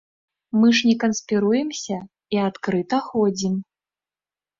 Мы ж не канспіруемся і адкрыта ходзім.